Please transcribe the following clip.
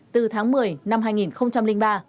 từ tháng một mươi năm hai nghìn ba